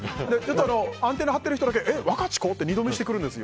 アンテナを張ってる人だけワカチコ？って二度見してくるんです。